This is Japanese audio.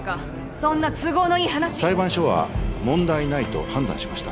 そんな都合のいい話裁判所は問題ないと判断しました